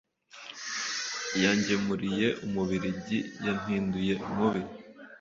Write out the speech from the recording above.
yangemuriye umubiligi yampinduye mubi